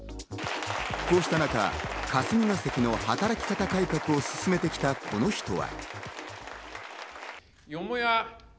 こうした中、霞が関の働き方改革を進めてきたこの人は。